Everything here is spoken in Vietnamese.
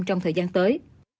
trong thời gian tới